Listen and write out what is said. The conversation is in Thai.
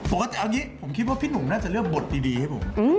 เอางี้ผมคิดว่าพี่หนุ่มน่าจะเลือกบทดีให้ผม